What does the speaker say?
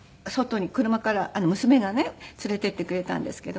娘がね連れて行ってくれたんですけど。